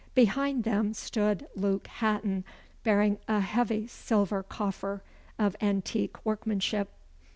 Behind them stood Luke Hatton, bearing a heavy silver coffer, of antique workmanship.